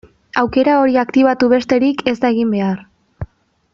Aukera hori aktibatu besterik ez da egin behar.